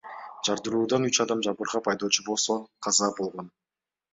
Жардыруудан үч адам жабыркап, айдоочу болсо каза болгон.